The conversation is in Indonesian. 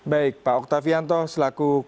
baik pak oktavianto selaku